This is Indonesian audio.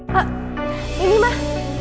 pak ini mah